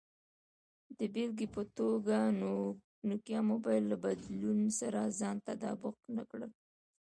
د بېلګې په توګه، نوکیا موبایل له بدلون سره ځان تطابق کې نه کړ.